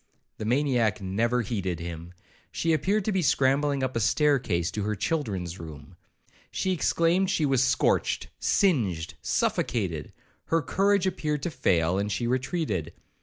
The maniac never heeded him; she appeared to be scrambling up a stair case to her children's room. She exclaimed she was scorched, singed, suffocated; her courage appeared to fail, and she retreated.